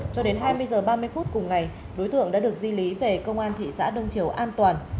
cho đến hai mươi h ba mươi phút cùng ngày đối tượng đã được di lý về công an thị xã đông triều an toàn